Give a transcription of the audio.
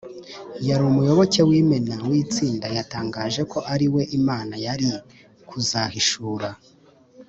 yari umuyoboke w’imena w’itsinda yatangaje ko ari we imana yari kuzahishura